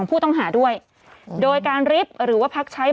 ผู้ต้องหาที่ขับขี่รถจากอายานยนต์บิ๊กไบท์